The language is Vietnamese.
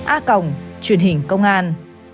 a cổng truyện hình công an